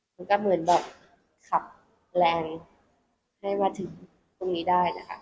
มันก็เหมือนแบบขับแรงให้มาถึงตรงนี้ได้นะคะ